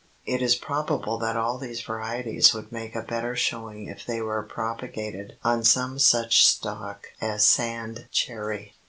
It is probable that all these varieties would make a better showing if they were propagated on some such stock as sand cherry.